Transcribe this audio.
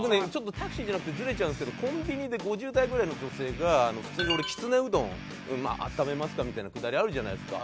タクシーじゃなくてずれちゃうんですけどコンビニで５０代ぐらいの女性が普通にきつねうどんを「温めますか？」みたいなくだりあるじゃないですか。